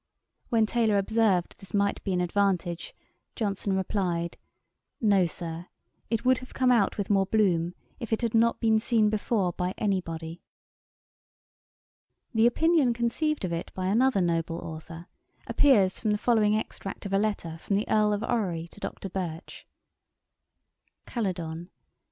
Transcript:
When Taylor observed this might be an advantage, Johnson replied, 'No, Sir; it would have come out with more bloom, if it had not been seen before by any body.' The opinion conceived of it by another noble authour, appears from the following extract of a letter from the Earl of Orrery to Dr. Birch: 'Caledon, Dec.